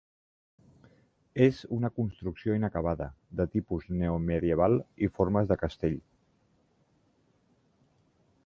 És una construcció inacabada de tipus neomedieval i formes de castell.